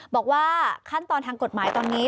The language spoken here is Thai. บอกว่าขั้นตอนทางกฎหมายตอนนี้